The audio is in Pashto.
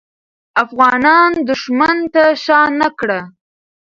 افغانان دښمن ته شا نه کړه.